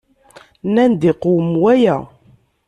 Nnan-d yeqwem waya.